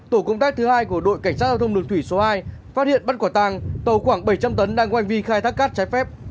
tổ công tác thứ hai của đội cảnh sát giao thông đường thủy số hai phát hiện bắt quả tàng tàu khoảng bảy trăm linh tấn đang có hành vi khai thác cát trái phép